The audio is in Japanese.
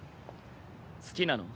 好きなの？